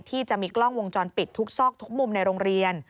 ที่จะมีกล้องวงจรปิดทุกซอกทุกมุมในโรงเรียน